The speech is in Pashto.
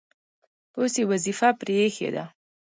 اوس یې وظیفه پرې ایښې ده.